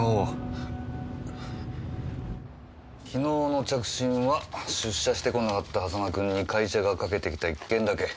昨日の着信は出社してこなかった狭間君に会社がかけてきた１件だけ。